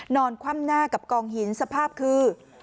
คว่ำหน้ากับกองหินสภาพคือ